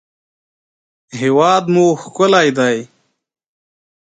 هېواد مو ښکلی دی